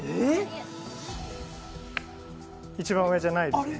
一番上じゃないですね。